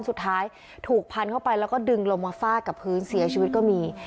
สุดท้ายถูกพันเข้าไปแล้วก็ดึงลงมาฟาดกับพื้นเสียชีวิตก็มี